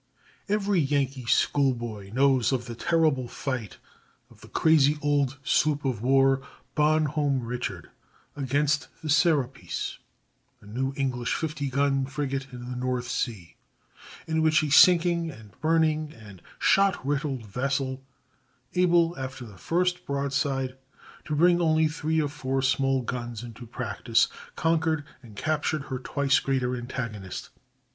Every Yankee school boy knows of the terrible fight of the crazy old sloop of war Bon Homme Richard against the Serapis, a new English 50 gun frigate in the North Sea, in which a sinking and burning and shot riddled vessel, able after the first broadside to bring only three or four small guns into practice, conquered and captured her twice greater antagonist.